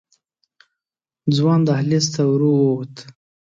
ځوان دهلېز ته ورو ووت.